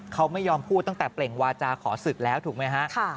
เขาไม่ยอมพูดตั้งแต่เปล่งวาจาขอศึกแล้วถูกไหมฮะ